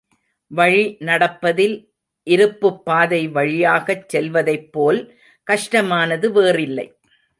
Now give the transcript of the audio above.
வழி நடப்பதில் இருப்புப்பாதை வழியாகச் செல்வதைப் போல் கஷ்டமானது வேறில்லை.